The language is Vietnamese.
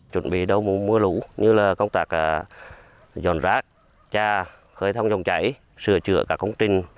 chuẩn bị đầu mùa lũ như công tạc dòn rác cha khơi thông dòng chảy sửa chữa các công trình